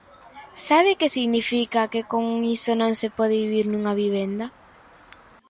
¿Sabe que significa que con iso non se pode vivir nunha vivenda?